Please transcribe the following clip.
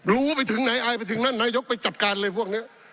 รู้ไปถึงไหนอายไปถึงนั่นนายกไปจัดการเลยพวกนี้